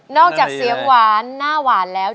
นอกจากเสียงฟ้านหน้าฟ้านแล้ว